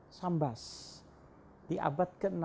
orang yang mendirikan kesultanan islam